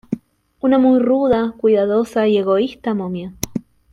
Una muy ruda, cuidadosa y egoísta momia.